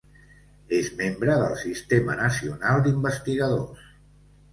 És membre del Sistema Nacional d'Investigadors.